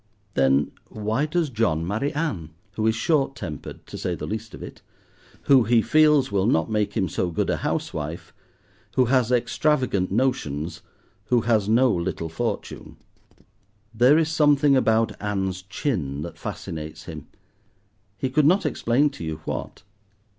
Then, why does John marry Ann? who is short tempered, to say the least of it, who, he feels, will not make him so good a house wife, who has extravagant notions, who has no little fortune. There is something about Ann's chin that fascinates him—he could not explain to you what.